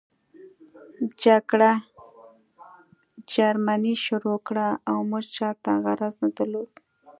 جګړه جرمني شروع کړه او موږ چاته غرض نه درلود